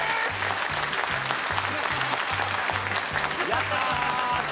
やったー！